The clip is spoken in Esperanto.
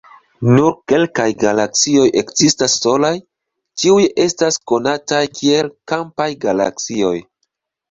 Nur kelkaj galaksioj ekzistas solaj; tiuj estas konataj kiel "kampaj galaksioj".